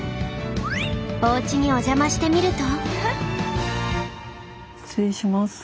おうちにお邪魔してみると。